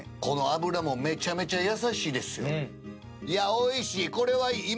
おいしい！